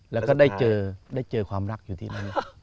แล้วก็ได้เจอได้เจอความรักอยู่ที่นั้น